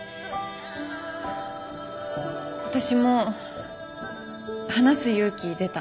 あたしも話す勇気出た。